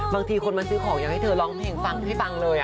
บางทีคนมาซื้อของอยากให้เธอร้องเพลงฟังให้ฟังเลย